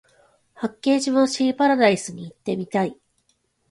八景島シーパラダイスに行ってみたい